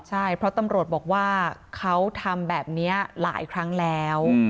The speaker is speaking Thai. ใช่เพราะตำรวจบอกว่าเขาทำแบบนี้หลายครั้งแล้ว